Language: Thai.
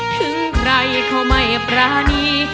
ถึงใครเขาไม่ปรานี